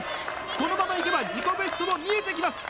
このままいけば自己ベストも見えてきます